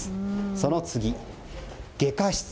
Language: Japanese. その次、「外科室」。